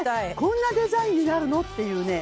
こんなデザインになるの？っていう。